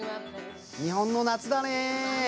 日本の夏だねぇ。